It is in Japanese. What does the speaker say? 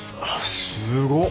すごっ！